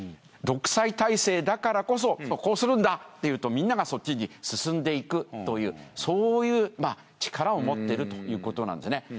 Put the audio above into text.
独裁体制だからこそこうするんだって言うとみんながそっちに進んでいくというそういう力を持っているということなんですね。